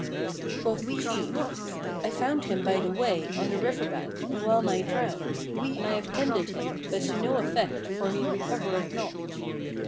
Quoth the chief, "I found him by the way, on the river bank and well nigh drowned; and I have tended him, but to no effect, for he recovereth not."